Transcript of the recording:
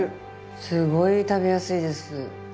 すごい食べやすいです。